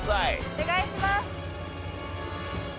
お願いします。